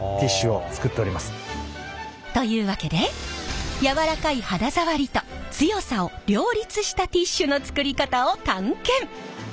というわけで柔らかい肌触りと強さを両立したティッシュの作り方を探検！